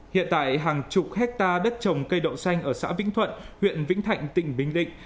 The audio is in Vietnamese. hiện tại hàng chục hectare đất trồng cây đậu xanh ở xã vĩnh thuận huyện vĩnh thạnh tỉnh bình định